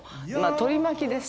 取り巻きです